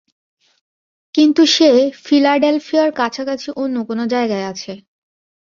কিন্তু সে ফিলাডেলফিয়ার কাছাকাছি অন্য কোন জায়গায় আছে।